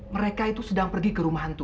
mereka itu sedang pergi ke rumah hantu